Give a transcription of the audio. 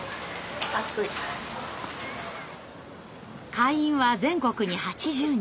会員は全国に８０人。